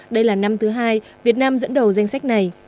đây là năm thứ hai việt nam dẫn đầu danh sách này